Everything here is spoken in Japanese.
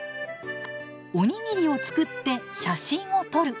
おにぎりを作って写真を撮る。